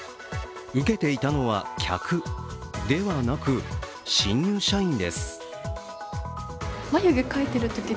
受けていたのは客ではなく新入社員です。